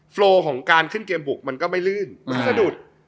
โลของการขึ้นเกมบุกมันก็ไม่ลื่นมันก็สะดุด